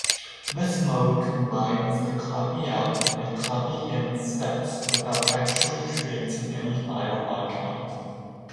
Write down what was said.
This mode combines the copy-out and copy-in steps without actually creating any file archive.